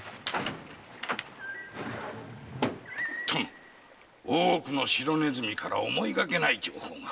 殿大奥の白鼠から思いがけない情報が。